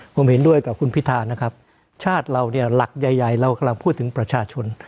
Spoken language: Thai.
ผมเห็นด้วยกับคุณพิธานะครับชาติเราเนี่ยหลักใหญ่ใหญ่เรากำลังพูดถึงประชาชน